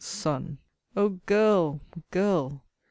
Son! O Girl! Girl!